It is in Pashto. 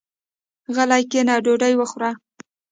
غلی کېنه ډوډۍ وخوره.